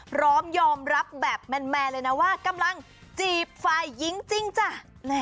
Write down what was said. พร้อมยอมรับแบบแมนเลยนะว่ากำลังจีบฝ่ายหญิงจริงจ้ะ